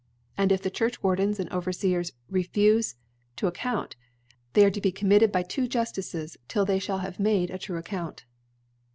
And if the Churchwardens and Overfeers refufe to account, they are to be committed by tviro Juftices till they ihall have made a true Account, II.